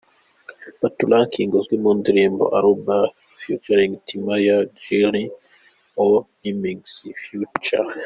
Patoranking azwi mu ndirimbo ‘Alubarika ft Timaya’, ‘Girlie ’O’ Remix ft.